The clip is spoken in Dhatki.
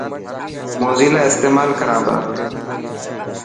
موزيلا استيمال ڪران تا.